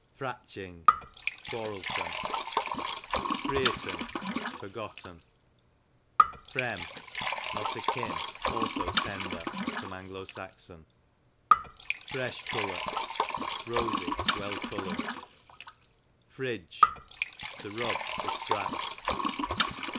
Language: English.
Fratching, quarelsome. Freeot'n, forgotten. Frem, not akin; also tender. A. S. Fresh cullert, rosy, well coloured. Fridge, to rub, to scrat.